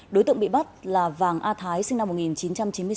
đối tượng bị bắt là vàng a thái sinh năm một nghìn chín trăm chín mươi bốn